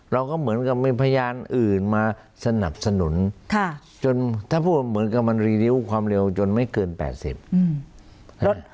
เราก็เหมือนกับมีพยานอื่นมาสนับสนุนจนถ้าพูดเหมือนกับมันรีริ้วความเร็วจนไม่เกิน๘๐